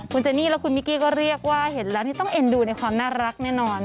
คุณเจนี่และคุณมิกกี้ก็เรียกว่าเห็นแล้วนี่ต้องเอ็นดูในความน่ารักแน่นอน